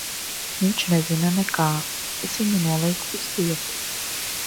Viņš nezina nekā. Es viņu nolīgu uz vietas.